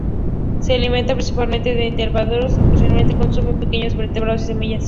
Se alimenta principalmente de invertebrados, ocasionalmente consume pequeños vertebrados y semillas.